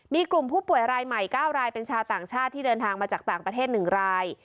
มีกลุ่มผู้ป่วยรายใหม่๙รายเป็นชาวต่างชาติที่เดินทางมาจากต่างประเทศ๑ราย